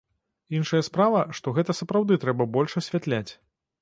Іншая справа, што гэта сапраўды трэба больш асвятляць.